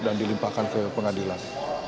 dan dilimpahkan ke pengadilan